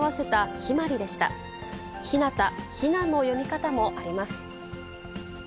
ひなた、ひなの読み方もあります。